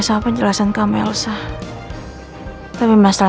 gak bisa gue lama lama disini